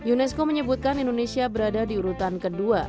unesco menyebutkan indonesia berada di urutan kedua